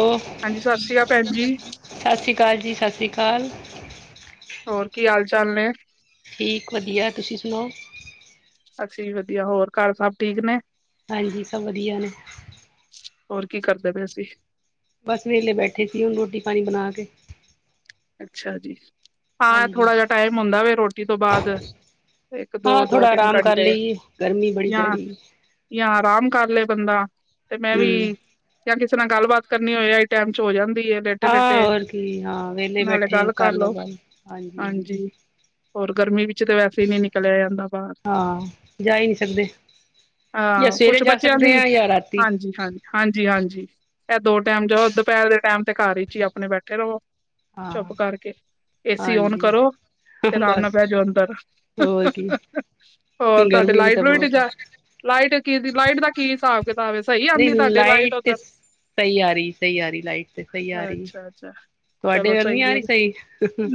Hello ਹਾਂਜੀ ਸਤਿ ਸ੍ਰੀ ਅਕਾਲ ਭੈਣ ਜੀ ਸ੍ਰੀ ਅਕਾਲ ਜੀ, ਸਤਿ ਸ੍ਰੀ ਅਕਾਲ। ਹੋਰ ਕੀ ਹਾਲ-ਚਾਲ ਨੇ। ਠੀਕ ਵਧੀਆ, ਤੁਸੀਂ ਸੁਣਾਓ। ਅਸੀਂ ਵੀ ਵਧੀਆ, ਹੋਰ ਘਰ ਸਭ ਠੀਕ ਨੇ? ਹਾਂਜੀ, ਸਭ ਵਧੀਆ ਨੇ। ਹੋਰ ਕੀ ਕਰਦੇ ਪਏ ਸੀ? ਬਸ ਵੇਲੇ ਬੈਠੇ ਸੀ, ਹੁਣ ਰੋਟੀ ਪਾਣੀ ਬਣਾ ਕੇ। ਅੱਛਾ ਜੀ, ਹਾਂ ਏਹ ਹਾਂਜੀ ਥੋੜਾ ਜਿਹਾ ਟਾਈਮ ਹੁੰਦਾ ਵੇ ਰੋਟੀ ਤੋਂ ਬਾਅਦ। ਇੱਕ ਹਾਂ ਦੋ-ਦੋ ਥੋੜਾ ਤਿੰਨ ਆਰਾਮ ਕਰ ਘੰਟੇ ਲਈਏ ਗਰਮੀ ਬੜੀ ਪੈ ਯਾਂ ਰਹੀ ਜਾਂ ਆਰਾਮ ਕਰ ਲਏ ਬੰਦਾ ਤੇ ਮੈਂ ਵੀ। ਹਮ ਜਾਂ ਕਿਸੇ ਨਾਲ ਗੱਲਬਾਤ ਕਰਨੀ ਹੋਏ ਆਹੀਂ ਟਾਈਮ 'ਚ ਹੋ ਜਾਂਦੀ ਏ। ਹਾਂ ਹੋਰ ਕੀ ਹਾਂ ਵਿਹਲੇ ਬੈਠੇ ਗੱਲ ਕਰ ਕਰਲਓ ਲਓ ਗੱਲ ਹਾਂਜੀ ਹਾਂਜੀ। ਹੋਰ ਗਰਮੀ ਵਿੱਚ ਤਾਂ ਵੈਸੇ ਹੀ ਨਹੀਂ ਨਿਕਲਿਆ ਜਾਂਦਾ ਬਾਹਰ। ਹਾਂ ਜਾ ਹੀ ਨਹੀਂ ਸਕਦੇ ਜਾਂ ਹਾਂ ਸਵੇਰੇ ਕੁਛ ਜਾਂ ਬੱਚਿਆਂ ਸਕਦੇ ਦੀ ਹਾ ਜਾਂ ਰਾਤੀਂ। ਹਾਂਜੀ ਹਾਂਜੀ ਹਾਂਜੀ ਹਾਂਜੀ ਇਹ ਦੋ ਟਾਈਮ ਜਾਓ। ਦੁਪਹਿਰ ਦੇ ਟਾਈਮ ਤੇ ਘਰ 'ਚ ਹੀ ਆਪਣੇ ਬੈਠੇ ਰਹੋ। ਹਾਂ ਚੁੱਪ ਕਰਕੇ। ਏਸੀ ਓਨ ਹਾਂਜੀ ਕਰੋ ਤੇ ਆਰਾਮ ਨਾਲ ਬਸ ਬੈਠ ਜਾਓ ਅੰਦਰ। ਹੋਰ ਕੀ ਹੋਰ ਤੁਹਾਡੇ ਗਰਮੀ ਵੀ ਲਾਈਟ ਤਾਂ ਲਟ ਬਹੁਤ ਜਾ ਲਾਈਟ। ਲਾਈਟ ਦਾ ਕੀ ਹਿਸਾਬ ਕਿਤਾਬ ਹੈ ਸਹੀ ਆਉਂਦੀ ਤੁਹਾਡੇ ਲਾਈਟ ਉੱਧਰ। ਸਹੀ ਆ ਰਹੀ ਸਹੀ ਆ ਰਹੀ ਲਾਈਟ ਤੇ ਸਹੀ ਆ ਰਹੀ। ਅੱਛਾ ਅੱਛਾ ਚਲੋ ਤੁਹਾਡੇ ਵੱਲ ਨੀ ਸਹੀ ਆ ਐ ਰਹੀ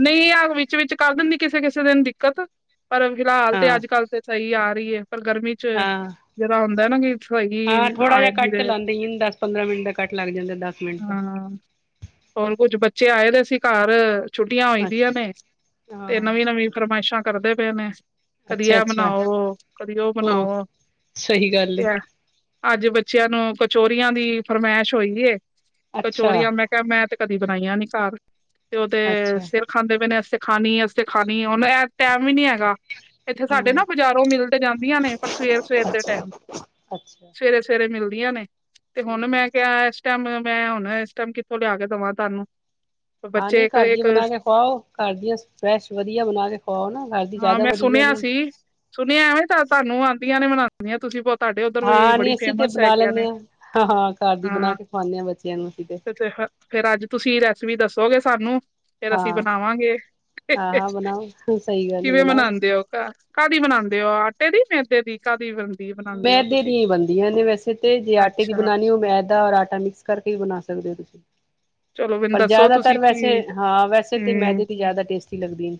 ਨਹੀਂ ਵਗ ਵੀ। ਵਿੱਚ ਵਿੱਚ ਕਰ ਦਿੰਦੀ ਕਿਸੇ ਕਿਸੇ ਦਿਨ ਦਿੱਕਤ ਪਰ ਫਿਲਹਾਲ ਤੇ ਹਾਂ ਅੱਜ ਕੱਲ ਤੇ ਸਹੀ ਆ ਰਹੀ ਐ ਪਰ ਗਰਮੀ। ਹਾਂ ਜਿਹੜਾ ਹੁੰਦਾ ਨਾ ਗੀ ਹਾਂ ਥੋੜਾ ਜਿਹਾ ਕੱਟ ਲਾਂਦੇ ਹੀ ਦ ਪੰਦਰਾਂ ਮਿੰਟ ਦਾ ਕੱਟ ਲੱਗ ਜਾਂਦਾ ਦਸ ਮਿੰਟ ਦਾ ਹਾਂ ਹੋਰ ਕੁੱਝ ਬੱਚੇ ਆਏ ਦੇ ਸੀ ਘਰ ਛੁੱਟੀਆਂ ਹੋਈ ਦੀਆਂ ਅੱਛਾ ਨੇ ਤੇ ਹਾਂ ਨਵੀਂ ਨਵੀਂ ਫਰਮਾਇਸ਼ਾਂ ਕਰਦੇ ਪਏ ਨੇ ਕਦੀ ਅੱਛਾ ਐ ਅੱਛਾ ਬਣਾਓ ਕਦੀ ਉਹ ਬਣਾਓ ਸਹੀ ਗੱਲ ਤੇ ਏ ਅੱਜ ਬੱਚਿਆਂ ਨੂੰ ਕਚੋਰੀਆਂ ਦੀ ਫਰਮਾਇਸ਼ ਹੋਈ ਏ ਅੱਛਾ ਕਚੋਰੀਆਂ ਮੈਂ ਮੈਂ ਤੇ ਕਦੀ ਬਣਾਈਆਂ ਨੀ ਘਰ ਤੇ ਉਹਦੇ ਅੱਛਾ ਸਿਰ ਖਾਂਦੇ ਪੀਦੇ ਅਤੇ ਖਾਣੀ ਅਸੀ ਤੇ ਖਾਣੀ ਉਹਨੂੰ ਟਾਈਮ ਵੀ ਨੀ ਹੈਗਾ ਇੱਥੇ ਸਾਡੇ ਹਾਂ ਨਾ ਬਾਜ਼ਾਰੋਂ ਮਿਲ ਤੇ ਜਾਂਦੀਆਂ ਨੇ ਪਰ ਸਵੇਰ ਸਵੇਰ ਦੇ ਅੱਛਾ ਟਾਈਮ ਅੱਛਾ ਸਵੇਰੇ ਸਵੇਰੇ ਮਿਲਦੀਆਂ ਨੇ ਤੇ ਹੁਣ ਹਮ ਮੈਂ ਕਿਆ ਇਸ ਟਾਈਮ ਮੈਂ ਹੁਣ ਇਸ ਟਾਈਮ ਕਿੱਥੋਂ ਲਿਆ ਕੇ ਦੇਵਾਂ ਤੁਾਨੂੰ ਹਾਂ ਨੀ ਕਰ ਦੀ ਬਣਾ ਕੇ ਖਵਾਓ ਘਰ ਦੀਆਂ ਫੈ੍ਸ਼ ਵਧੀਆ ਬਣਾ ਕੇ ਖਵਾਓ ਨਾ ਘਰ ਦੀ ਹਾਂ ਜ਼ਾਦਾ ਮੈਂ ਵਧੀਆ ਸੁਣਿਆ ਨੇ ਸੀ। ਸੁਣਿਆ ਐਵੇਂ ਤਾਂ ਤੁਹਾਨੂੰ ਆਦੀਆਂ ਨੇ ਬਨਾਉਂਨੀਆਂ ਤੁਸੀਂ ਬਹੁ ਤੁਹਾਡੇ ਉੱਧਰ ਵੀ ਹਾਂ ਨੀ ਬੜੀ ਅਸੀਂ ਤੇ ਫੇਮਸ ਬਣਾ ਹੈਗੀਆਂ ਲੈਂਦੇ ਨੇ ਹਾਂ ਹਾਂ ਹਾਂ ਘਰ ਦੀ ਬਣਾ ਹਾਂ ਕੇ ਖਵਾਉਂਦੇ ਹਾਂ ਬੱਚਿਆਂ ਨੂੰ ਅਸੀਂ ਤੇ ਫੇਰ ਅੱਜ ਤੁਸੀਂ ਰੈਸਪੀ ਦੱਸੋਗੇ ਸਾਨੂੰ ਫਿਰ ਅਸੀਂ ਹਾਂ ਬਨਾਵਾਂਗੇ ਹਾਂ ਹਾਂ ਬਣਾਓ ਸਹੀ ਗੱਲ ਹੈ ਕਿਵੇਂ ਬਣਾਓ ਬਨਾਉਂਦੇ ਓ ਘਰ ਕਾ ਦੀ ਬਣਾਉਂਦੇ ਹੋ ਆਟੇ ਦੀ ਮੇਦੇ ਦੀ ਕਾਦੀ ਬਨਦੀ ਏ ਮੈਦੇ ਦੀਆਂ ਹੀ ਬਣਦੀਆਂ ਨੇੇ ਵੈਸੇ ਤੇ ਜੇ ਆਟੇ ਦੀ ਅੱਛਾ ਬਣਾਉਣੀ ਉਹ ਮੈਦਾ ਔਰ ਆਟਾ ਮਿਕਸ ਕਰਕੇ ਹੀ ਬਣਾ ਸਕਦੇ ਹੋ ਤੁਸੀਂ ਚਲੋ ਮੈਨੂੰ ਪਰ ਦੱਸੋ ਤੁਸੀਂ ਜ਼ਾੱਦਾਤਰ ਵੈਸੇ ਕੀ ਹਾਂ ਵੈਸੇ ਤਾਂ ਹੂੰ ਮੈਦੇ ਤੇ ਜ਼ਿਆਦਾ ਟੇਸਟੀ ਲਗਦੀ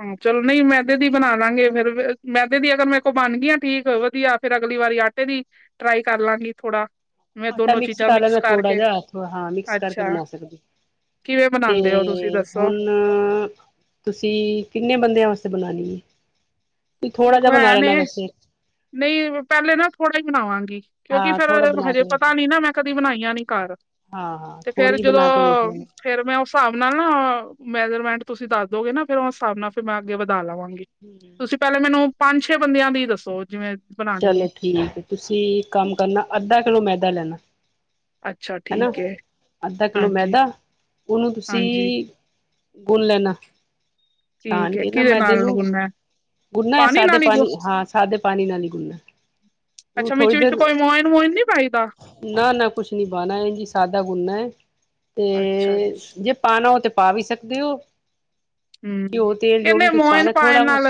ਹੂੰ ਚਲ ਨੀ ਮੈਦੇ ਦੀ ਬਣਾ ਲਾਂਗੇ ਫੇਰ ਮੈਦੇ ਦੀ ਅਗਰ ਮੇ ਕੋਲ ਬਣ ਗਈ ਆ ਠੀਕ ਵਧੀਆ ਫੇਰ ਅਗਲੀ ਵਾਰੀ ਆਟੇ ਦੀ ਟਰਾਈ ਕਰ ਲਾਂਗੀ ਥੋੜ੍ਹਾ ਆਟਾ ਮਿਕਸ ਕਰ ਲਾਂਗੇ ਥੋੜਾ ਜਿਥ ਹਾਂ ਕਰਕੇ ਅੱਛਾ ਬਣਾ ਸਕਦੀ ਕਿਵੇਂ ਤੇ ਬਣਾਉਂਦੇ ਹੋ ਤੁਸੀਂ ਦੱਸੋ ਹੁਣ ਅ ਤੁਸੀਂ ਕਿੰਨੇ ਬੰਦਿਆਂ ਵਾਸਤੇ ਬਣਾਉਣੀ ਏ ਦੇਖੋ ਐ ਵੇ ਨਹੀਂ ਪਹਿਲੇ ਨਾ ਥੋੜ੍ਹਾ ਹੀ ਬਣਾਵਾਂਗੀ ਕਿਉਂਕਿ ਹਾਂ ਫੇਰ ਥੋੜਾ ਬਣਾ ਕੇ ਹਜੇ ਵੇਖ ਪਤਾ ਲੈਣਾ। ਨੀ ਨਾ ਮੈਂ ਕਦੀ ਬਣਾਈਆਂ ਨੀ ਘਰ ਹਾਂ ਹਾਂ ਤੇ ਥੋੜ੍ਹੀ ਫੇਰ ਜਿਹੀ ਜਦੋਂ ਬਣਾ ਕੇ ਵੇਖ ਲੈਣਾ। ਫੇਰ ਮੈਂ ਉਸ ਹਿਸਾਬ ਨਾਲ ਨਾ ਮੈਜਰਮੈਂਟ ਤੁਸੀਂ ਦੱਸ ਦੋਗੇ ਨਾ ਫੇਰ ਉਸ ਹਿਸਾਬ ਨਾਲ ਫਿਰ ਮੈਂ ਅੱਗੇ ਵਧਾ ਲਵਾਂਗੀ। ਹੂੰ ਤੁਸੀਂ [inaudible] ਪਹਿਲੇ ਮੈਨੂੰ ਪੰਜ ਛੇ ਬੰਦਿਆਂ ਦੀ ਦੱਸੋ ਜਿਵੇਂ ਬਣਾਉਣੀ ਚਲੋ ਹੈ ਠੀਕ ਤੁਸੀਂ ਇੱਕ ਕੰਮ ਕਰਨਾ ਅੱਧਾ ਕਿਲੋ ਮੈਦਾ ਲੈਣਾ ਅੱਛਾ ਹਨਾ ਠੀਕ ਹੈ ਅੱਧਾ ਕਿਲੋ ਹਾਂਜੀ ਮੈਦਾ ਓਨੂੰ ਤੁਸੀਂ, ਹਾਂਜੀ ਗੁਨ ਲੈਣਾ। ਠੀਕ ਛਾਣ ਹੈ ਕੇ ਨਾ ਕਿਹਦੇ ਮੈਦੇ ਨਾਲ ਨੂੰ, ਗੁੰਨਨਾ ਹੈ ਗੁੰਨਾ ਐ ਸਾਦੇ ਨਾਲ ਹੀ ਗੁ ਪਾਣੀ ਹਾਂ ਸਾਦੇ ਪਾਣੀ ਨਾਲ ਹੀ ਗੁੰਨਨਾ ਉਹ ਅੱਛਾ ਵੀਚ ਵਿਚ ਕੋਈ ਮੋਇਨ ਮੁਇਨ ਨਈ ਪਾਈਦਾ? ਨਾ-ਨਾ ਕੁਛ ਨੀ ਪਾਣਾ ਏਜ ਸਾਦਾ ਗੁੰਨਾ ਐ, ਅੱਛਾ ਜੀ ਤੇ ਜੇ ਪਾਣਾ ਓ ਤੇ ਪਾ ਵੀ ਸਕਦੇ ਓ। ਹੂੰ, ਕੈਂਦੇ ਕੁਛ ਮੋਹਿਨ ਪਾਣਾ ਪਾਣ ਥੋੜਾ ਬਹੁਤ ਨਾਲ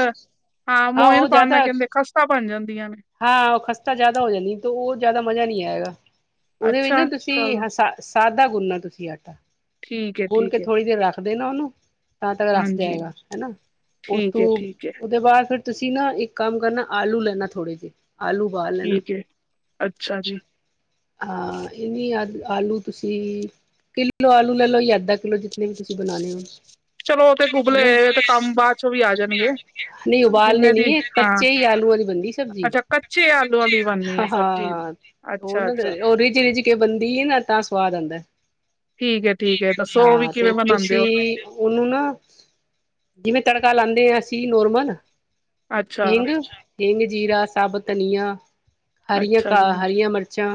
ਹਾਂ ਮੋਇਨ ਉਹ ਪਾਉਣ ਨਾਲ ਜ਼ਿਆਦਾ ਕਹਿੰਦੇ ਬਣ ਜਾਂਦੀਆਂ ਨੇ ਹਾਂ ਓ ਖਸਤਾ ਜ਼ਾਦਾ ਹੋ ਜਾਂਦੀ ਆ ਤਾਂ ਓ ਜ਼ਾਦਾ ਮਜ਼ਾ ਨੀ ਆਏਗਾ, ਓਦੇ ਵਿੱਚ ਨਾ ਅੱਛਾ ਚਲੋ ਤੁਸੀਂ ਹਾਸ ਸਾਦਾ ਗੁੰਨਣਾ ਤੁਸੀਂ ਆਟਾ, ਠੀਕ ਹੈ, ਗੁੰਨ ਕੇ ਠੀਕ ਹੈ, ਥੋੜ੍ਹੀ ਦੇਰ ਰੱਖਦੇ ਨਾ ਓਨੂੰ ਤਾਂ ਤੱਕ ਰੱਸ ਹਾਂਜੀ, ਜਾਏਗਾ, ਹਨਾ ਉਸ ਠੀਕ ਤੋ ਹੈ, ਠੀਕ ਹੈ, ਓਦੇ ਬਾਦ ਫੇਰ ਤੁਸੀਂ ਨਾ ਏਕ ਕੰਮ ਕਰਨਾ ਆਲੂ ਲੈਣਾ ਥੋੜੇ ਆਲੂ ਉਬਾਲ ਲੈਣਾ ਠੀਕ ਹੈ, ਅੱਛਾ ਜੀ। [unintelligible] ਹਾਂ ਏ ਵੀ ਆ ਆਲੂ ਤੁਸੀਂ ਕੀਲੋ ਆਲੂ ਲੈ ਲੋ ਜਾਂ ਅੱਧਾ ਕੀਲੋ ਜੀਨੇ ਵੀ ਤੁਸੀਂ ਬਣਾਣੇ ਨੇ। ਚਲੋ ਉਹ ਤੇ ਗੁਬਲੇ [unintelligible] ਹੋਏ ਤੇ ਕੰਮ ਬਾਅਦ ਚੋਂ ਵੀ ਆ ਜਾਣਗੇ। ਨਈ ਉਬਾਲਣੇ ਜਿੰਨੇ ਨੀ ਦੀ ਏ। ਹਾਂ, ਕੱਚੇ ਈ ਆਲੂ ਵਾਲੀ ਬਣਦੀ ਸਭ ਅੱਛਾ ਕੱਚੇ ਆਲੂਆਂ ਦੀ ਬਣਨੀ ਆ ਸਬਜ਼ੀ, ਅੱਛਾ-ਅੱਛਾ। ਓ ਰੇਜ-ਰੇਜ ਕੇ ਬਣਦੀ ਏ ਨਾ ਤਾਂ ਸਵਾਦ ਆਂਦੈ। ਹੈ, ਠੀਕ ਹੈ, ਆ ਠੀਕ ਦੱਸੋ ਉਹ ਵੀ ਆ ਤੇ ਕਿਵੇਂ ਬਣਾਉਂਦੇ ਹੋ? ਤੁਸੀਂ ਓਨੂੰ ਨਾ ਜੇਵੇਂ ਤੜਕਾ ਲਾਦੇ ਆਂ ਅਸੀਂ ਨੋਰਮਲ, ਅੱਛਾ, ਹਿੰਗ ਹਿੰਗ ਜੀਰਾ ਸਾਬ ਧਨੀਆ ਹਰੀਆਂ ਅੱਛਾ ਕਾ ਜੀ, ਹਰੀਆਂ ਮਿਰਚਾਂ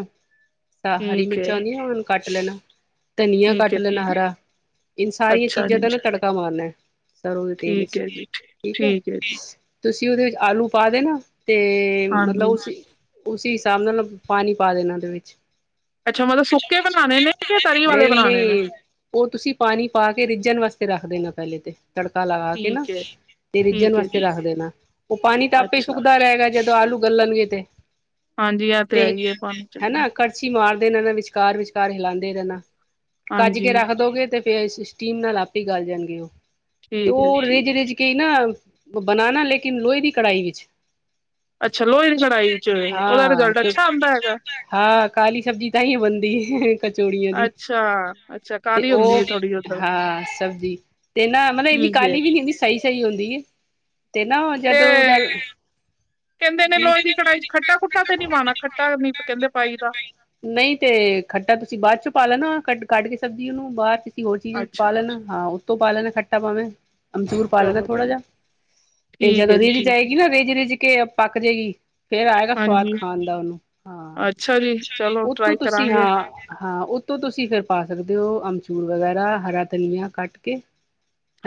ਹਰੀ ਠੀਕ ਹੈ, ਮਿਰਚਾਂ ਹੁੰਦੀਆਂ ਹੁ ਕੱਟ ਲੈਣਾ, ਧਨੀਆ ਠੀਕ ਕੱਟ ਹੈ, ਠੀਕ ਲੈਣਾ ਹੈ। ਹਰਾ। ਏਨ ਸਾਰੀਆਂ ਅੱਛਾ ਚੀਜ਼ਾਂ ਜੀ, ਤੇ ਨਾ ਤੜਕਾ ਮਾਰਨਾ ਏ, ਸਰੋਂ ਦੇ ਤੇਲ ਠੀਕ ਵੇਚ, ਹੈ ਜੀ, ਠੀ- ਠੀਕ ਐ। ਹੈ ਜੀ, ਤੁਸੀਂ ਓਦੇ ਵਿੱਚ ਆਲੂ ਪਾ ਦੇਣਾ, ਤੇ ਮਤਲ ਹਾਂਜੀ। ਓਸ ਓਸੀ ਹਿਸਾਬ ਨਾਲ, ਪਾਣੀ ਪਾ ਦੇਣਾ ਓਦੇ ਵਿੱਚ। ਅੱਛਾ ਮਤਲਬ ਸੁੱਕੇ ਬਣਾਣੇ ਨੇ ਕੇ ਤਰੀ ਵਾਲੇ ਬਣਾਣੇ ਨੇ? ਓ ਤੁਸੀਂ ਪਾਣੀ ਪਾ ਕੇ ਰਿੱਝਣ ਵਾਸਤੇ ਰੱਖ ਦੇਣਾ ਪੈਲੇ ਤੇ। ਤੜਕਾ ਲਗਾ ਕੇ ਨਾ, ਠੀਕ ਹੈ, ਤੇ ਰੀਝਣ ਠੀਕ ਹੈ ਵਾਸਤੇ ਜੀ। ਰੱਖ ਦੇਨਾ, ਓ ਪਾਣੀ ਤਾਂ ਆਪੇ ਸੁ ਅੱਛਾ, [unintelligible] ਜਦੋਂ ਆਲੂ ਗਲਣਗੇ ਤੇ ਹਾਂਜੀ ਇਹ ਤੇ ਆਈ ਹੈ ਹੀ [unintelligible] ਹੈ। ਹਨਾ ਕਟ ਛੀ ਮਾਰਦੇ ਰ ਨਾ ਵਿਚਕਾਰ ਵਿਚਕਾਰ ਹੀਲਾਦੇ ਰੈਨਾ, ਕੱਜ ਕੇ ਹਾਂਜੀ। ਰੱਖ ਦੋਗੇ ਤੇ ਸਟੀਮ ਨਾਲ ਆਪੇ ਗੱਲ ਜਾਣਗੇ ਓ, ਤੇ ਠੀਕ ਹੈ ਜੀ ਓ ਠੀਕ ਰੇਜ-ਰੇਜ ਰਿੱਜ ਕੇ ਕੀ ਨਾ, ਬਣਾਣਾ ਲੇਕਿਨ ਲੋਹੇ ਦੀ ਕੜਾਈ ਵੇਚ। ਅੱਛਾ ਲੋਹੇ ਦੀ ਕੜਾਈ ਚ, ਓਦਾ ਹਾਂ ਰੀਗਾਡ ਕਿ ਅੱਛਾ ਆਦਾ ਹੈਗਾ? ਹਾਂ ਕਾਲੀ ਸਬਜ਼ੀ ਤਾਂ ਈ ਬਣਦੀ ਕਚੋੜੀਆਂ ਦੀ, ਅੱਛਾ, ਅੱਛਾ ਤੇ ਕਾਲੀ ਓ, ਹੁੰਦੀ ਹੈ ਥੋੜੀ ਕਚੋੜੀਆ, ਉਧਰ ਹਾਂ ਸਬਜ਼ੀ ਤੇ ਨਾ ਮਤਲਬ ਏਨੀ ਠੀਕ ਹੈ ਕਾਲੀ ਵੀ ਨੀ ਹੁੰਦੀ ਸਈ-ਸਈ ਹੁੰਦੀ ਏ, ਤੇ ਨਾ ਜਦੋਂ ਉ ਕੈਦੇ ਨੇ ਲੋਏ ਦੀ ਕੜਾਈ ਚ ਖੱਟਾ ਖੁੱਟਾ ਤੇ ਨੀ ਪਾਣਾ, ਖੱਟਾ ਨੀ ਕੈਂਦੇ ਪਾਈ ਦਾ। ਨਈ ਤੇ ਖੱਟਾ ਤੁਸੀਂ ਬਾਅ ਚ ਪਾ ਲੈਣਾ ਕੱਟ ਕੱਢ ਕੇ ਸਬਜ਼ੀ ਓਨੂੰ ਬਾਹਰ ਚ ਤੇ ਓਹੀ ਪਾ ਅੱਛਾ ਲੈਣਾ ਹਾਂ ਓਤੋਂ ਪਾ ਲੈਣਾ ਖੱਟਾ ਭਾਵੇਂ ਅੰਗੂਰ ਪਾ ਲੈਂਦਾ ਚਲੋ ਥੋੜਾ ਚਲੋ ਜਾ, ਤੇ ਠੀਕ ਜਦੋਂ ਹੈ ਜੀ ਰੀਝ ਠੀਕ ਹੈ ਜਾਏਗੀ ਨਾ ਰੀਝ -ਰਿੱਝ ਕੇ ਪੱਕ ਜੇਗੀ ਫੇਰ ਆਏਗਾ ਸਵਾਦ ਹਾਂਜੀ ਖਾਣ ਦਾ ਓਨੂੰ, ਹਾਂ। ਅੱਛਾ ਜੀ, ਚਲੋ ਓਤੋਂ ਟਰਾਈ ਤੁਸੀਂ ਕਰਾਂਗੇ ਹਾਂ-ਹਾਂ ਓ ਤੋਂ ਤੁਸੀਂ ਫਿਰ ਪਾ ਸਕਦੇ ਓ ਅਮਚੂਰ ਵਗੈਰਾ, ਹਰਾ ਧਨੀਆ ਕੱਟ ਕੇ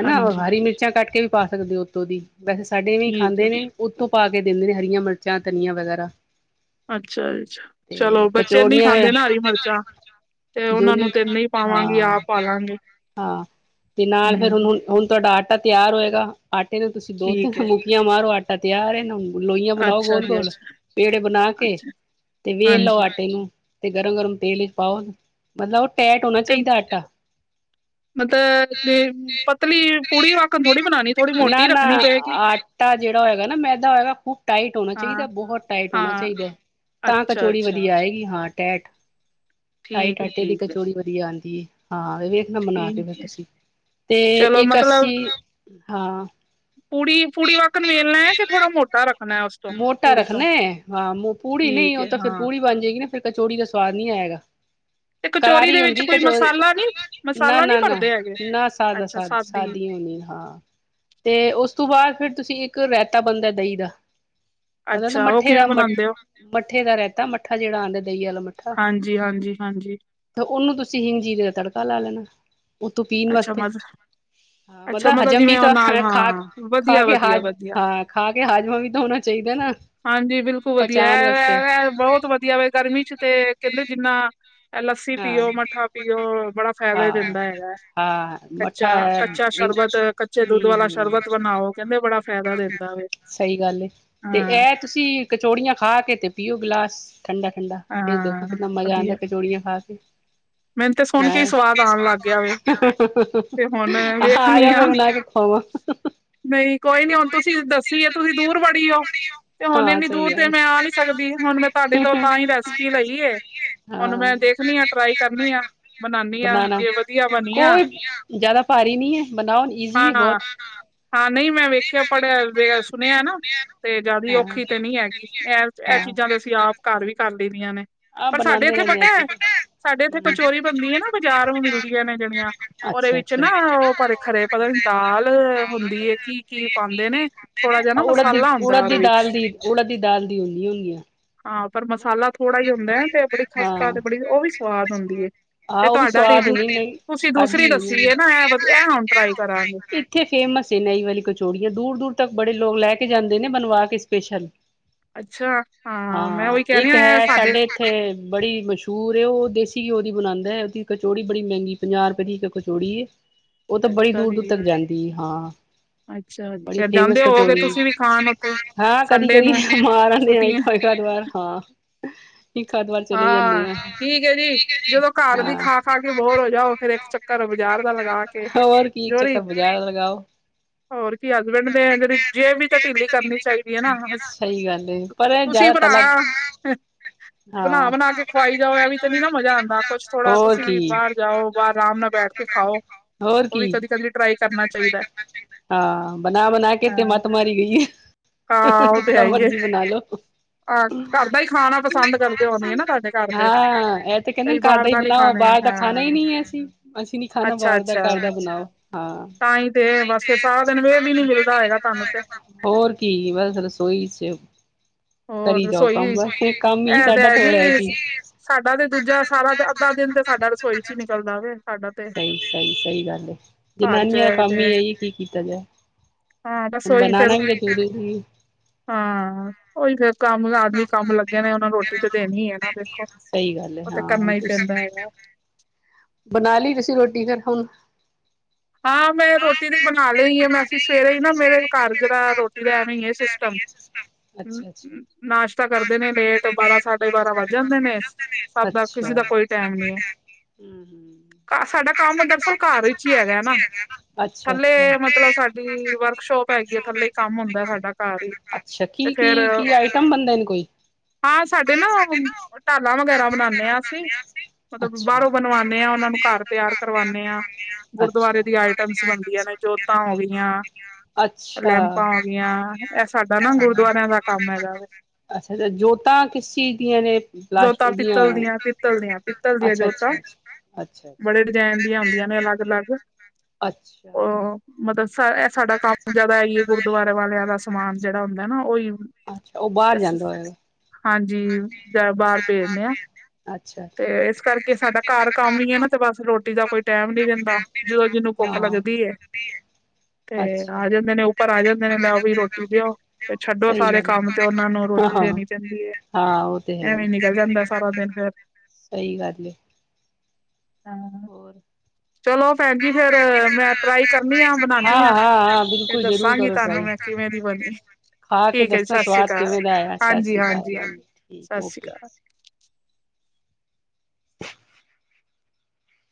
ਹਨਾ ਹਾਂਜੀ ਹਰੀ ਮਿਰਚਾਂ ਕੱਟ ਕੇ ਵੀ ਪਾ ਸਕਦੇ ਓ ਉਤੋਂ ਦੀ ਵੈਸੇ ਸਾਡੇ ਵੀ ਠੀਕ ਹੈ ਖਾਂਦੇ ਜੀ ਨੇ ਓਤੋਂ ਪਾ ਕੇ ਦੇਂਦੇ ਨੇ ਹਰੀਆਂ ਮਿਰਚਾਂ ਧਨੀਆ ਵਗੈਰਾ। ਜੀ ਅੱਛਾ ਚਲੋ ਠੀਕ ਐ, ਬੱਚੇ ਚੋਰ ਨਹੀਂ ਨੀ ਆਏਆ। ਖਾਂਦੇ ਨਾ ਹਰੀ ਮਿਰਚਾਂ ਤੇ ਜੋ ਉਹਨਾਂ ਨਈ ਨੂੰ ਤੇ ਨਹੀਂ ਪਾਵਾਂਗੀ ਆਪ ਪਾ ਲਾਂਗੇ ਹਾਂ-ਹਾਂ ਤੇ ਨਾਲ ਫੇਰ ਹੂੰ ਓਨੂੰ ਹੁਨ ਹੁਨ ਤਾਡਾ ਆਟਾ ਤਿਆਰ ਹੋਏਗਾ, ਆਟੇ ਨੂੰ ਤੁਸੀਂ ਦੋ ਤਿੰਨ ਠੀਕ ਹੈ ਮੁਕੀਆਂ ਮਾਰੋ ਆਟਾ ਤਿਆਰ ਐ ਨਾ ਹੁਨ। ਲੋਈਆਂ ਬਨਾਓ ਅੱਛਾ ਜੀ ਗੋਲ-ਗੋਲ, ਅੱਛਾ ਪੇੜੇ ਬਨਾ ਕੇ ਅੱਛਾ ਤੇ ਵੇਲ ਲਓ ਹਾਂਜੀ ਆਟੇ ਨੂੰ। ਤੇ ਗਰਮ-ਗਰਮ ਤੇਲ ਵਿਚ ਪਾਓ, ਮਤਲਬ ਓ ਟੈਟ ਹੋਨਾ ਤੇ ਚਾਈਦੈ ਆਟਾ। ਮਤਲਬ ਤੇ ਪਤਾ ਕੇ ਪਤਲੀ ਪਤਲੀ ਵਾਕਣ ਪੂੜੀ ਥੋੜ੍ਹੀ ਵਾਂਗੂੰ ਬਣਾਣੀ ਪੂੜੀ ਥੋੜ੍ਹੀ ਬਨਾਨੀ ਐ ਨਾ ਮੋਟੀ ਰੱਖਣੀ ਪਏਗੀ ਨਾ ਆਟ ਆਟਾ ਜੇੜਾ ਹੋਏਗਾ ਨਾ ਮੈ ਹੋਏਗਾ ਖੂਬ ਟਾਈਟ ਹੋਨਾ ਹਾਂ ਚਾਈਦਾ ਬਹੁ ਟਾਈਟ ਹੋਨਾ ਹਾਂ ਚਾਈਦਾ ਤਾਂ ਅੱਛਾ ਕਚੋੜੀ ਅੱਛਾ ਵਦੀਆ ਆਏਗੀ ਹਾਂ। ਟੈਟ ਟਾਈਟ ਠੀਕ ਹੈ ਆਟੇ ਦੀ ਠੀਕ ਹੈ ਕਚੋੜੀ ਵਦੀਆ ਆਂਦੀ ਏ, ਹਾਂ ਏ ਵੇਖਨਾ ਬਨਾ ਕੇ ਫੇਰ ਠੀਕ ਹੈ ਤੁਸੀਂ। ਤੇ ਚਲੋ ਇੱਕ ਅਸੀਂ, ਹਾਂ ਪੂੜੀ-ਪੂੜੀ ਵਾਕਨ ਵੇਲਨਾ ਕੇ ਮੋਟਾ ਰੱਖਨਾ ਹਾਂ ਪੂੜੀ ਨਈ ਠੀਕ ਓ ਹੈ ਤਾਂ ਫੇਰ ਹਾਂ ਪੂੜੀ ਬਨ ਜਾਏਗੀ ਨਾ ਫ਼ੇਰ ਕਚੋੜੀ ਦਾ ਸਵਾਦ ਨੀ ਆਏਗਾ। ਤੇ ਕਚੋਰੀ ਕਰਾਰੀ ਦੇ ਵਿੱਚ ਹੁੰਦੀ ਏ ਕੋਈ ਕਚੋਰੀ ਮਸਾਲਾ ਨਹੀਂ ਮਸਾਲਾ ਨਹੀਂ ਭਰਦੇ ਹੈਗੇ ਨਾ-ਨਾ-ਨਾ-ਨਾ ਸਾਦਾ ਆ ਸਾਦਾ ਸਾਦੀ ਹੁੰਦੀ ਏ ਹਾਂ। ਤੇ ਓਸ ਤੋਂ ਬਾਦ ਫਿਰ ਤੁਸੀਂ ਇੱਕ ਰੈਤਾ ਬਨਦੈ ਦਈਂ ਦਾ। ਮਤਲਬ ਅੱਛਾ ਉਹ ਮੱਠੇ ਦਾ ਕਿਵੇਂ ਮ ਬਣਾਉਂਦੇ ਹੋ ਮੱਠੇ ਦਾ ਰੈਤਾ ਮੱਠਾ ਜੇੜਾ ਆਂਦਾ ਦਈਂ ਵਾਲਾ ਮੱਠਾ। ਹਾਂਜੀ ਹਾਂਜੀ ਹਾਂਜੀ ਤੇ ਓਨੂੰ ਤੁਸੀਂ ਹਿੰਗ ਜੀਰੇ ਦਾ ਤੜਕਾ ਲਾ ਲੈਨਾ ਓ ਤੋ ਪੀਨ ਅੱਛਾ ਵਾਸਤੇ। ਮਤਲਬ ਹਾਂ ਅੱਛਾ ਮਤਲਬ ਹਜ਼ਮ ਵੀ ਜਿਵੇਂ ਉਹ ਤਾਂ ਨਾਲ ਖਾ-ਖਾ ਹਾਂ ਵਧੀਆ ਕੇ ਖਾ ਹਾਂ ਵਧੀਆ ਵਧੀਆ ਖਾ ਖਾ ਕੇ ਹਾਜ਼ਮਾਂ ਵੀ ਤਾਂ ਹੋਨਾ ਚਈਦਾ ਨਾ ਪਚਾਨ ਵਾਸਤੇ ਬਹੋਤ ਵਦੀਆ ਵੇ ਗਰਮੀ ਚ ਤੇ ਕੈਂਦੇ ਜਿੰਨਾ ਐ ਲੱਸੀ ਹਾਂ। ਪੀਓ ਮੱਠਾ ਪੀਓ ਬੜਾ ਫੈਦਾ ਹਾਂ, ਦਿੰਦਾ ਹੈਗਾ ਐ। ਹਾਂ। ਮੱਠਾ ਐ ਮਿੱਠਾ ਸ਼ਰਬਤ ਕੱਚੇ ਬੱਚੇ ਦੁੱਧ ਵਾਲਾ ਨੂੰ ਮਿੱਠਾ ਸ਼ਰਬਤ ਬਣਾਓ ਕਹਿੰਦੇ ਬੜਾ ਬਨਾਓਗੇ ਫਾਇਦਾ ਦਿੰਦਾ ਵੇ ਤਾਂ [unintelligible] ਸਈ ਗੱਲ ਐ ਹਾਂ ਐਹ ਤੁਸੀਂ ਕਚੋੜੀਆਂ ਖਾ ਕੇ ਤੇ ਪੀਓ ਗਲਾਸ। ਠੰਡਾ-ਠੰਡਾ, ਫੇਰ ਦੇਖੋ ਹਾਂ ਕਿੰਨਾ ਮਜ਼ਾ ਆਂਦਾ ਵਧੀਆ ਕਚੋੜੀਆਂ ਖਾ ਕੇ। ਮੈਨੂੰ ਤੇ [inaudible] ਸੁਣ ਕੇ ਹੀ ਆਜਾ ਸਵਾਦ ਆਉਣ ਲੱਗ ਗਿਆ ਵੇ ਤੇ ਹੁਣ ਫੇਰ ਬਨਾ ਕੇ ਖੁਆਵਾਂ। ਨਈ ਕੋਈ ਨੀ ਹੁਨ ਤੁਸੀਂ ਦੱਸੀ ਤੁਸੀਂ ਦੂਰ ਬੜੀ ਓਂ। ਤੇ ਹੁਨ ਹਾਂ ਏਨੀ ਸਹੀ ਦੂਰ ਤੇ ਗੱਲ ਮੈਂ ਆ ਨੀ ਸਕਦੀ ਹੁਨ ਮੈਂ ਤੁਆਡੇ ਹੈ। ਤੋਂ ਤਾਂਈ ਰੈਸਪੀ ਲਈ ਐ। ਹਾਂ। ਮੈਂ ਦੇਖਨੀ ਆ ਟਰਾਈ ਕਰਨੀ ਟਰਾਈ ਆ ਕਰਨੀ ਆਂ ਬਣਾਉਦੀ ਆ ਬਨਾਨਾ ਜੇ ਵਧੀਆ ਬਣੀ ਆ ਕੋਈ ਜਾਦਾ ਭਾਰੀ ਨੀ ਐ ਬਨਾਓ ਨੀ ਹਾਂ, ਈਜ਼ੀ ਐ ਹਾਂ ਬੌਤ ਹਾਂ-ਹਾਂ ਹਾਂ ਨਈ ਮੈਂ ਵੇਖਿਆ ਪੜ੍ਹਿਆ ਵੇ ਸੁਨਿਆ ਐ ਨਾ। ਤੇ ਜ਼ਾਦੀ ਹਾਂ। ਔਖੀ ਤੇ ਨੀ ਹੈਗੀ, ਐ-ਐ ਚੀਜ਼ਾਂ ਤੇ ਅਸੀਂ ਆਪ ਘਰ ਵੀ ਕਰ ਲਈਦੀਆਂ ਨੇ। ਆਹ ਪਰ ਸਾਡੇ ਬਣਾਉਂਦੇ ਏਥੇ ਰਹਿੰਦੇ ਪਤਾ ਹਾਂ ਐ, ਸਾਡੇ ਅਸੀਂ ਏਥੇ ਹੂੰ। ਕਚੋਰੀ ਬਨਦੀ ਏ ਨਾ ਬਾਜ਼ਾਰੋ ਮਿਲਦੀਆਂ ਨੇ ਜੇੜੀਆਂ। ਓਦੇ ਅੱਛਾ ਵਿੱਚ ਅੱਛਾ। ਨਾ ਓ ਪਰ ਖਰੇ ਪਤਾ ਨੀ ਦਾਲ ਹੁੰਦੀ ਐ ਕੀ-ਕੀ ਪਾਂਦੇ ਨੇ ਥੋੜਾ ਜਾ ਨਾ ਉੜ ਦੀ ਮਸਾਲਾ ਉੜ ਹੁੰਦਾ ਉਹਦੇ ਦੀ ਵਿੱਚ। ਦਾਲ ਦੀ ਉੜਦ ਦੀ ਦਾਲ ਦੀ ਹੁੰਦੀ-ਹੁੰਦੀ ਆ। ਹਾਂ ਪਰ ਮਸਾਲਾ ਥੋੜ੍ਹਾ ਈ ਹੁੰਦਾ ਤੇ ਬੜੀ ਖਸਤਾ ਹਾਂ। ਤੇ ਬੜੀ ਓ ਵੀ ਸਵਾਦ ਹੁੰਦੀ ਐ। ਆਹ ਤੇ ਉਹ ਵੀ ਤੁਆਡਾ ਤੇ ਸਵਾਦ ਹੁੰਦੀ ਨਹੀਂ ਤੁਸੀਂ ਦੂਸਰੀ ਖਾਧੀ ਹੋਈ ਦੱਸੀ ਐ ਨਾ ਐਹ ਵਦੀ ਐ ਹੁਨ ਟਰਾਈ ਕਰਾਂਗੇ। ਏਥੇ ਫੇਮਸ ਨਈ ਵਾਲੀ ਕਚੋੜੀਆਂ ਦੂਰ-ਦੂਰ ਤੱਕ ਬੜੇ ਲੋਕ ਲੈ ਕੇ ਜਾਂਦੇ ਨੇ ਬਨਵਾ ਕੇ ਸਪੇਸ਼ਲ। ਅੱਛਾ, ਹਾਂ ਮੈਂ ਓਈ ਕੈਂਨੀ ਹੋਏਆ ਸਾਡੇ। ਏਥੇ ਬੜੀ ਮਸ਼ਹੂਰ ਓ ਦੇਸੀ ਘਿਓ ਦੀ ਬਨਾਂਦਾ ਐ ਓਦੀ ਕਚੌੜੀ ਬੜੀ ਮੈਂਗੀ ਪੰਜਾਹ ਰੁਪਏ ਦੀ ਇੱਕ ਕਚੌੜੀ ਏ। ਓ ਤਾ ਬੜੀ ਅੱਛਾ ਦੂਰ-ਦੂਰ ਜੀ ਤੱਕ ਜਾਂਦੀ ਏ, ਹਾਂ। ਅੱਛਾ ਜੀ ਬੜੀ ਫੇਰ ਫੇਮਸ ਜਾਂਦੇ ਹੋਵੋਗੇ ਕਚੋੜੀ ਏ, ਤੁਸੀਂ ਵੀ ਖਾਣ ਉੱਥੇ [unintelligible] ਹਾਂ ਸੰਡੇ ਕਦੀ-ਕਦੀ ਨੂੰ ਮਾਰ ਆਨੇ ਆ ਛੁੱਟੀਆਂ [unintelligible] ਹਾਂ। ਇੱਕ ਅੱਧ ਵਾਰ ਚਲੇ ਜਾਂਦੇ ਹਾਂ, ਆ ਠੀਕ ਏ ਜੀ ਜਦੋਂ ਘਾੱਰ ਦੀ ਖਾ-ਖਾ ਕੇ ਬੋਰ ਓ ਜਾਓ ਫੇਰ ਏਕ ਚੱਕ ਘਰੋਂ ਬਜਾਰ ਦਾ ਲਗਾ ਕੇ, ਹੋਰ ਕੀ ਇੱਕ ਜੋਰੀ ਚੱਕਰ ਬਾਜ਼ਾਰ ਲਗਾਓ। ਹੋਰ ਕੀ ਹਸਬੈਂਡ ਦੇ ਜੜੀ ਜੇਬ ਵੀ ਤਾਂ ਢੀਲੀ ਕਰਨੀ ਚਾਹੀਦੀ ਹੈ ਨਾ। ਸਹੀ ਗੱਲ ਏ ਪਰ ਇਹ ਤੁਸੀ ਜ਼ਿਆਦਾ ਤਲਾ ਬੜਾਣਾ। ਹਾਂ, ਬਣਾ-ਬਣਾ ਕੇ ਇਹ ਖਵਾਈ ਵੀ ਜਾਓ ਤਾਂ ਨੀ ਨਾ ਮਜ਼ਾ ਆਉਂਦਾ ਕੁਛ [unintelligible] ਥੋੜਾ ਹੋਰ ਤੁਸੀਂ ਵੀ ਕੀ ਬਾਹਰ ਜਾਓ ਬਾਹਰ ਆਰਾਮ ਨਾਲ ਬੈਠ ਕੇ ਖਾਓ ਹੋਰ ਉਹ ਕੀ, ਵੀ ਕਦੀ ਕਦੀ ਟਰਾਈ ਕਰਨਾ ਚਾਹੀਦਾ ਹੈ। ਹਾਂ ਬਨਾ-ਬਨਾ ਕੇ ਤੇ ਹਾਂ ਮੱਤ ਮਾਰੀ ਗਈ ਏ। ਹਾਂ ਉਹ ਤੇ ਹੈ ਹੀ ਹੈ [inaudible] ਖਾਣਾ ਪਸਾਂਦ ਕਰ ਹੋਨੀ ਏ ਨਾ ਤੁਹਾਡੇ ਘਾੱਰ ਦੇ, ਹਾਂ ਇਹ ਤੇ ਕਹਿੰਦੇ ਕਈ ਨੇ ਘਰ ਬਾਰ ਹੀ ਦਾ ਨੀ ਬਣਾਓ ਖਾਨੇ ਬਾਹਰ ਦਾ ਖਾਣਾ ਹੀ ਹਾਂ। ਨਹੀਂ ਹੈ ਅਸੀਂ ਅਸੀਂ ਨੀ ਖਾਣਾ ਬਾਹਰ ਦਾ ਅੱਛਾ-ਅੱਛਾ, ਘਰ ਦਾ ਬਣਾਓ ਹਾਂ ਤਾ ਈ ਤੇ ਬਾੱਸ ਫੇਰ ਸਾਰਾ ਦੇਨ ਵੇਲ ਈ ਨੀ ਮਿਲਦਾ ਓਏਗਾ। ਤਾਨੂੰ ਤੇ। ਓਰ ਕੀ ਬਾੱਸ ਰਸੋਈ ਚ, ਕਰੀ ਜਾਓ ਕਾੱਮ ਬਾੱਸ ਐ ਤਾ ਐ ਜੀ ਸਾਡਾ ਤੇ ਦੂਜਾ ਸਾਰਾ ਅੱਦਾ ਦੇਨ ਤੇ ਸਾਡਾ ਰਸੋਈ ਚ ਨਿਕਲਦਾ ਵੇ। ਸਾਡਾ ਤੇ ਸਈ-ਸਈ, ਸਈ ਗਾੱਲ ਏ, ਘਰ ਚ ਜਨਾਨੀਆਂ [unintelligible] ਹੈ ਕਾੱਮ ਤੇ ਏ ਈ ਕੀ ਕੀਤਾ ਜਾਏ। ਹਾਂ ਬਾੱਸ ਹੁਣ ਓਈ ਫੇਰ, ਬਣਾਉਣਾ ਵੀ ਤਾਂ ਜ਼ਰੂਰੀ ਹਾਂ। ਓਈ ਫੇਰ ਕਾੱਮ ਦਾ ਆਦਮੀ ਕਾੱਮ ਲੱਗੇਆ ਰਏ ਓਨਾ ਰੋਟੀ ਤੇ ਦੇਨੀ ਏ ਨਾ ਵੇਖੋ। ਸਈ ਗਾੱਲ ਏ। ਓ ਤੇ ਕਰਨਾ [unintelligible] ਐਗਾ। ਬਨਾ ਲੀ ਤੁਸੀ ਰੋਟੀ [unintelligible] ਹਾਂ ਮੈਂ ਰੋਟੀ ਤੇ ਬਨਾ ਲਈ ਏ, ਮੈਂ ਅਸੀ ਸਵੇਰੇ ਈ ਨਾ ਮੇਰੇ ਘਾੱਰ ਜਰਾ ਰੋ ਟੀ ਦਾ ਐਵੇ ਈ ਏ ਸਿਸਟਮ, ਅੱਛਾ ਅੱਛਾ ਨਾਸ਼ਤਾ ਕਰਦੇ ਨੇ ਲੇਟ ਬਾਰਾ-ਸਾ ਡੇ ਬਾਰਾ ਵਾੱਜ ਜਾਂਦੇ ਨੇ ਸੱਬ ਦਾ ਅੱਛਾ ਕਿਸੇ ਦਾ ਕੋਈ ਟੈਮ ਨੀ ਏ। ਹਮ ਹਮ ਕਾ ਸਾਡਾ ਕਾੱਮ ਦਰਅਸਲ ਘਾੱਰ ਏਚ ਈ ਐਗੈ। ਅੱਛਾ ਥੱਲੇ ਅੱਛਾ ਮਤਲਬ ਸਾਡੀ ਵਰਕਸ਼ੋਪ ਐਗੀ ਏ ਥੱਲੇ ਈ ਕਾੱਮ ਹੋਂਦੈ ਸਾਡਾ ਘਾੱਰ ਈ। ਅੱਛਾ ਕੀ-ਕੀ, ਕੀ ਆਈਟਮ ਬਨਦੇਨ ਕੋਈ ਹਾਂ ਸਾਡੇ ਨਾ ਓ ਢਾਲਾਂ ਵਗੈਰਾ ਬਨਾਨੇ ਆ ਅਸੀ, ਮਤਬ ਬਾਰੋ ਬਨ ਬਾਰੋ ਬਨਵਾਨੇ ਆ ਤੇ ਘਾੱਰ ਤੇਆਰ ਕਰਵਾਨੇ ਆ ਗੁਰਦੁਆਰੇ ਦੀ ਆਈਟਮਸ ਬਨਦੀਆਂ ਨੇ ਜੋਤਾਂ ਹੋ ਗਿਆ, ਅੱਛਾ ਲੈਮਪਾਂ ਹੋਗਿਆ ਐ ਸ ਸਾਡਾ ਨਾ ਗੁਰਦੁਆਰੇਆਂ ਦਾ ਕਾੱਮ ਐਗਾ ਵੇ। ਅੱਛਾ-ਅੱਛਾ ਜੋਤਾਂ ਕਿਸ ਚੀਜ ਦੀਆਂ ਨੇ ਪਲਾਸਟ ਜੋਤਾਂ ਉਹਦੀਆਂ ਪਿੱਤਲ ਦੀਆਂ-ਪਿੱਤਲ ਦੀਆਂ ਪਿੱਤਲ ਦੀਆਂ ਅੱਛਾ ਅੱਛਾ ਜੋਤਾਂ ਅੱਛਾ ਅੱਛਾ ਬੜੇ ਡਿਜੈਨ ਦੀਆਂ ਓਂਦੀਆਂ ਨੇ ਅਲੱਗ-ਅਲੱਗ, ਅੱਛਾ। ਓ ਮਤਬ ਸ ਸਾਡਾ ਕਾੱਮ ਜਾਦਾ ਐਈਏ ਗੁਰਦੁਵਾਰੇ ਵਾਲੇਆਂ ਦਾ ਸਮਾਨ ਜੜਾ ਓਂਦੈ ਨਾ ਓਈ ਅੱਛਾ ਓ ਬਾਰ ਜਾਂਦਾ ਓਏਗਾ ਹਾਂਜੀ। ਜਾ ਬਾਰ ਪੇਜਨੇ ਆ, ਅੱਛਾ ਤੇ ਅੱਛਾ ਇਸ ਕਾਰਕੇ ਸਾਡਾ ਘਾੱਰ ਕਾੱਮ ਈ ਏ ਨਾ ਤੇ ਬਾੱਸ ਰੋਟੀ ਦਾ ਕੋਈ ਟੈਮ ਨੀ ਰੈਂਦਾ, ਜਦੋਂ ਜਿਨੂੰ ਪੋਖ ਹਾਂ ਲੱਗਦੀ ਏ ਤੇ ਅੱਛਾ। ਆ ਜਾਂਦੇ ਨੇ ਉੱਪਰ ਆ ਜਾਂਦੇ ਨੇ ਲੇਆਓ ਬਈ ਰੋਟੀ ਦੇਓ, ਫੇ ਛੱਡੋ ਸਹੀ ਸਾਰੇ ਗੱਲ ਕਾੱਮ ਤੇ ਓਨਾ ਨੂੰ ਹਾਂ ਰੋਟੀ ਹਾਂ ਦੇਨੀ ਪੈਂਦੀ ਏ ਹਾਂ ਓ ਤੇ ਹੈ ਈ, ਐਵੇ ਈ ਨਿਕਲ ਜਾਂਦੈ ਦਿਨ ਸਾਰਾ ਫੇਰ ਦੇਨ, ਸਈ ਗਾੱਲ ਏ ਹਾਂ ਹੋਰ ਚਲੋ ਭੈਣ ਜੀ ਫੇਰ ਮੈਂ ਟਰਾਈ ਕਰਨੀ ਆ ਬਣਾਨੀ ਆ ਹਾਂ ਹਾਂ ਹਾਂ ਫੇਰ ਬਿਲਕੁਲ ਜ਼ਰੂਰ ਦੱਸਾਂਗੀ ਕਰੋ ਤੁਹਾਨੂੰ ਟਰਾਈ ਮੈਂ। ਕਿਵੇਂ ਦੀ ਬਣਗੀ ਖਾ ਕੇ ਠੀਕ ਐ, ਜੀ ਦੱਸਣਾ ਸਤਿ ਸ੍ਰੀ ਸਵਾਦ ਅਕਾਲ ਕਿਵੇਂ ਦਾ ਆਇਆ ਸਤਿ ਸ੍ਰੀ ਅਕਾਲ ਹਾਂਜੀ-ਹਾਂਜੀ ਜੀ ਹਾਂਜੀ। ਸਤਿ ਠੀਕ ਸ੍ਰੀ ਓਕੇ। ਅਕਾਲ।